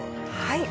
はい。